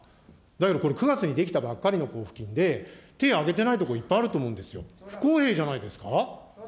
だけどこれ、９月に出来たばっかりの交付金で、手挙げてないところ、いっぱいあると思うんですよ、不公平じゃないですか。